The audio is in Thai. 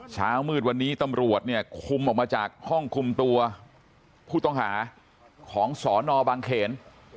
เช้ามืดวันนี้ตำรวจเนี่ยคุมออกมาจากห้องคุมตัวผู้ต้องหาของสนบางเขน